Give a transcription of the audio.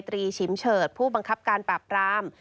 ฉิมเฉิดผู้บังคับการปราบราม